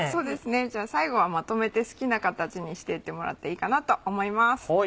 じゃあ最後はまとめて好きな形にしていってもらっていいかなと思います。